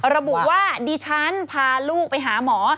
ระบุว่าดิฉันพาลูกไปหาหมอ